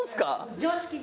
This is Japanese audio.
常識！